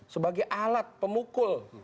sebagai alat pemukul